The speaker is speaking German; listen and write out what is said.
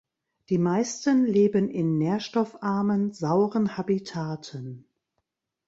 Die meisten leben in nährstoffarmen, sauren Habitaten.